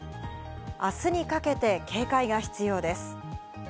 明日にかけて警戒が必要です。